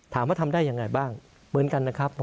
ทำได้ยังไงบ้างเหมือนกันนะครับ